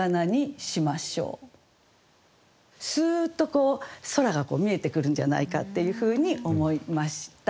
スーッとこう空が見えてくるんじゃないかっていうふうに思いました。